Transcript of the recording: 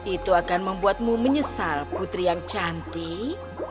itu akan membuatmu menyesal putri yang cantik